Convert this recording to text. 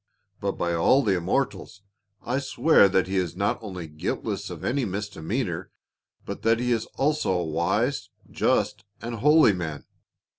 But by all the immortals, I swear that he is not only guiltless of any misdemeanor but that he is also a wise, just and holy man."